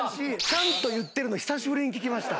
ちゃんと言ってるの久しぶりに聞きました。